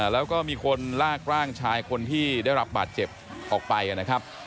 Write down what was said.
แล้วก็มีคนลากร่างชายคนที่ได้รับบาดเจ็บออกไปนะครับ